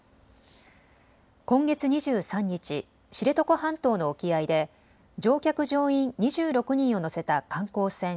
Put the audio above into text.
今月２３日、知床半島の沖合で乗客・乗員２６人を乗せた観光船